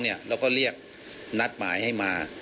แล้วก็เรียกนัดหมายให้มา